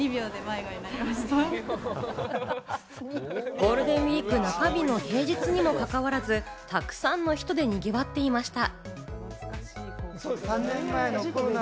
ゴールデンウイーク中日の平日にもかかわらず、たくさんの人でにぎわっていました。